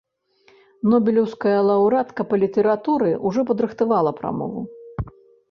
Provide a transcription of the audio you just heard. Нобелеўская лаўрэатка па літаратуры ўжо падрыхтавала прамову.